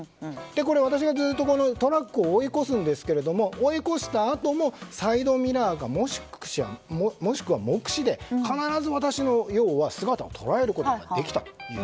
これ、私がずっとトラックを追い越すんですが追い越したあともサイドミラーもしくは目視で必ず私の姿を捉えることができたんです。